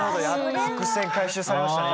伏線回収されましたね